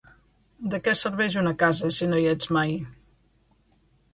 De què serveix una casa, si no hi ets mai?